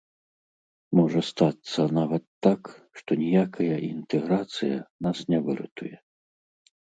Можа стацца нават так, што ніякая інтэграцыя нас не выратуе.